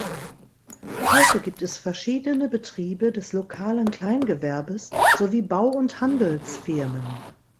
Heute gibt es verschiedene Betriebe des lokalen Kleingewerbes sowie Bau- und Handelsfirmen.